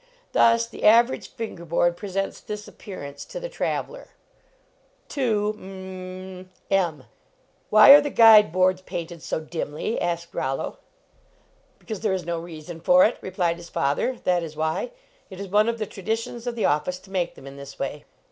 Thus, the average finger board pre sents this appearance to the traveler: "Why are the guide boards painted so dimly? " asked Rollo. "Because there is no reason for it," re plied his father, "that is why It is one of the traditions of the office to make them in this way."